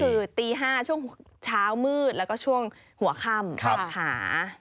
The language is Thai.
คือตี๕ช่วงเช้ามืดแล้วก็ช่วงหัวค่ำนะคะ